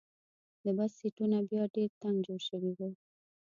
د بس سیټونه بیا ډېر تنګ جوړ شوي وو.